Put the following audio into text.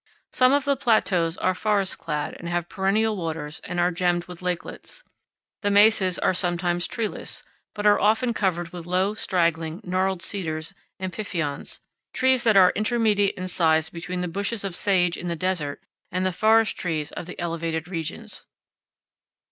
Some of the plateaus are forest clad and have perennial waters and are gemmed with lakelets. The mesas are sometimes treeless, but are often covered with low, straggling, gnarled cedars and pifions, trees that are intermediate in size between the bushes of sage in the desert and the forest trees of the elevated regions.